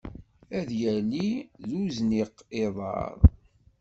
Ad yali d uzniq iḍer.